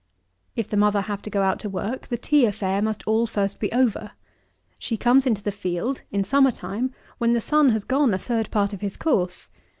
If the mother have to go out to work, the tea affair must all first be over. She comes into the field, in summer time, when the sun has gone a third part of his course.